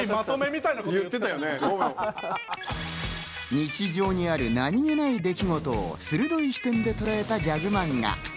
日常にある何気ない出来事を鋭い視点でとらえたギャグマンガ。